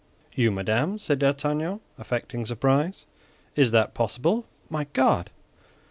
"You, madame!" said D'Artagnan, affecting surprise; "is that possible, my God?